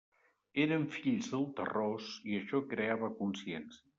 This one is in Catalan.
Eren fills del terròs, i això creava consciència.